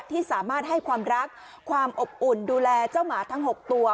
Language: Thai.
ที่สามารถให้ความรักความอบอุ่นดูแลเจ้าหมาทั้ง๖ตัว